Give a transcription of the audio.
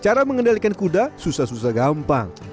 cara mengendalikan kuda susah susah gampang